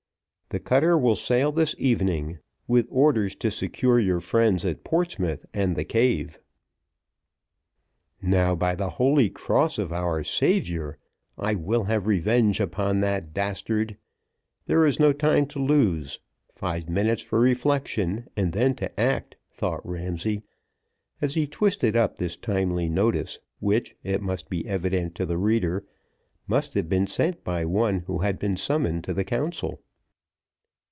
"The cutter will sail this evening with orders to secure your friends at Portsmouth and the cave." "Now, by the holy cross of our Saviour! I will have revenge upon that dastard; there is no time to lose; five minutes for reflection, and then to act," thought Ramsay, as he twisted up this timely notice, which, it must be evident to the reader, must have been sent by one who had been summoned to the council.